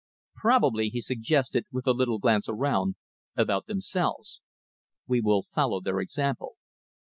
"Probably," he suggested, with a little glance around, "about themselves. We will follow their example.